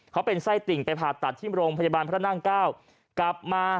เขาเป็นไส้ติ่งไปผ่าตัดที่โรงพยาบาลพระนั่งเก้ากลับมา